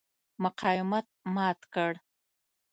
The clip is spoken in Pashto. مقاومت مات کړ.